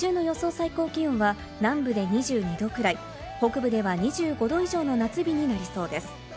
最高気温は、南部で２２度くらい、北部では２５度以上の夏日になりそうです。